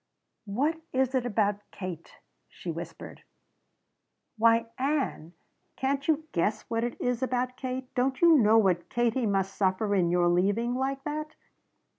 "What is it about Katie?" she whispered. "Why, Ann, can't you guess what it is about Katie? Didn't you know what Katie must suffer in your leaving like that?"